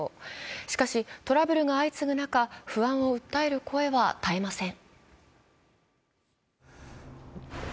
しかしトラブルが相次ぐ中、不安を訴える声は絶えません。